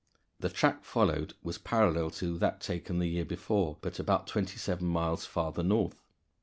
The track followed was parallel to that taken the year before, but about twenty seven miles farther north.